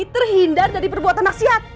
terhindar dari perbuatan nasihat